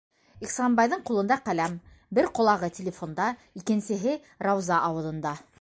Ихсанбайҙың ҡулында - ҡәләм, бер ҡолағы телефонда, икенсеһе - Рауза ауыҙында.